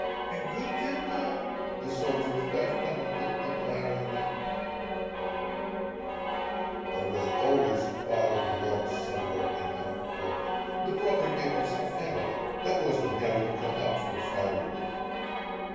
"A good Gentile," the soldier's wife commented, admiringly There was always a pile of logs somewhere in our Court, the property of some family that was to have it cut up for firewood.